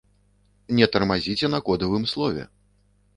Не тармазіце на кодавым слове!